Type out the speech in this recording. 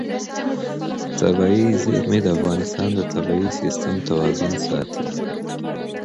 طبیعي زیرمې د افغانستان د طبعي سیسټم توازن ساتي.